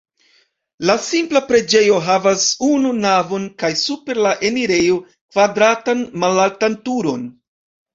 La simpla preĝejo havas unu navon kaj super la enirejo kvadratan malaltan turon.